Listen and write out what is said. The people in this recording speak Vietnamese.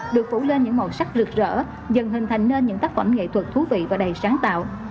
được phủ lên những màu sắc rực rỡ dần hình thành nên những tác phẩm nghệ thuật thú vị và đầy sáng tạo